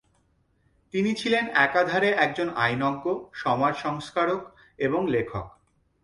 তিনি ছিলেন একাধারে একজন আইনজ্ঞ, সমাজ সংস্কারক এবং লেখক।